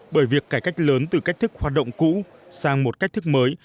bởi việc cải cách lớn từ cách thức hoạt động cũ sang một cách thức mới